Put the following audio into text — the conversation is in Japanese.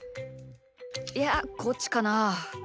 いやこっちかなあ？